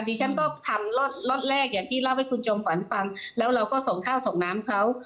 ดิฉันก็ทำล็อตแรกอย่างที่เล่าให้คุณจอมฝันฟังแล้วเราก็ส่งข้าวส่งน้ำเขา